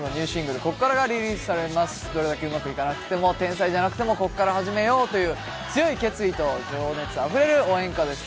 どれだけうまくいかなくても天才じゃなくてもこっから始めようという強い決意と情熱あふれる応援歌です